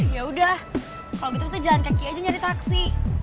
ya udah kalau gitu tuh jalan kaki aja nyari taksi